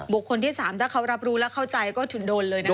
คนที่๓ถ้าเขารับรู้แล้วเข้าใจก็ถึงโดนเลยนะคะ